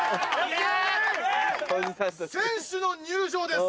選手の入場です。